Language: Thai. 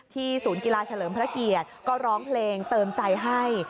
ศูนย์กีฬาเฉลิมพระเกียรติก็ร้องเพลงเติมใจให้